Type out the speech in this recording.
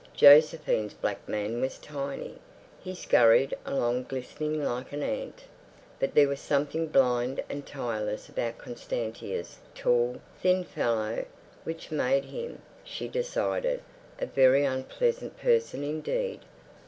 Josephine's black man was tiny; he scurried along glistening like an ant. But there was something blind and tireless about Constantia's tall, thin fellow, which made him, she decided, a very unpleasant person indeed....